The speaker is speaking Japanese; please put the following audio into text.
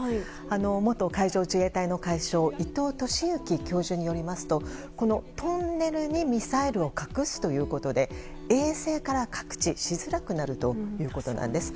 元海上自衛隊の海将伊藤俊幸教授によりますとこのトンネルにミサイルを隠すということで衛星から覚知しづらくなるということなんです。